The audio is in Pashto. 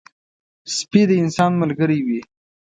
سپي د انسان ملګری وي.